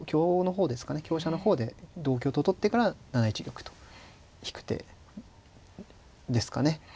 香車の方で同香と取ってから７一玉と引く手ですかね。